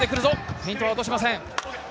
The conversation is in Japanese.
フェイントは落としません。